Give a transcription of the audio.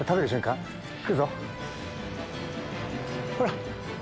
ほら！